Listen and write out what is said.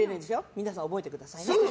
皆さん、覚えてくださいね。